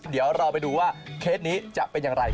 เดี๋ยวเราไปดูว่าเคสนี้จะเป็นอย่างไร